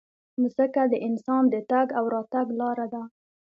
مځکه د انسان د تګ او راتګ لاره ده.